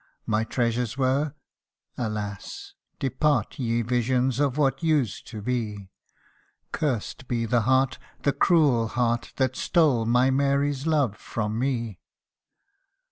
My treasures were alas ! depart Ye visions of what used to be ! Cursed be the heart the cruel heart That stole my Mary's love from me.